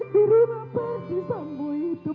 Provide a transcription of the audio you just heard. dirima percintaanmu itu